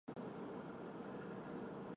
加强可燃物清理